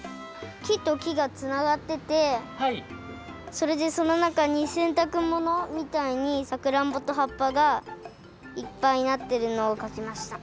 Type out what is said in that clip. きときがつながっててそれでそのなかにせんたくものみたいにさくらんぼとはっぱがいっぱいなってるのをかきました。